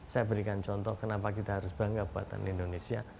saya berikan contoh kenapa kita harus bangga buatan indonesia